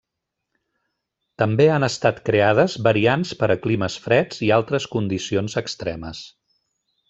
També han estat creades variants per a climes freds i altres condicions extremes.